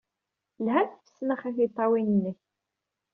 Lhant tfesnax i tiṭṭawin-nnek.